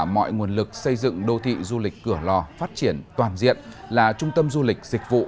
mọi nguồn lực xây dựng đô thị du lịch cửa lò phát triển toàn diện là trung tâm du lịch dịch vụ